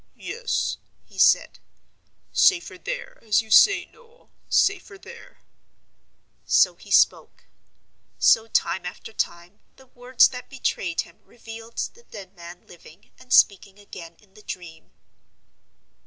"Yes," he said. "Safer there, as you say, Noel—safer there." So he spoke. So, time after time, the words that betrayed him revealed the dead man living and speaking again in the dream.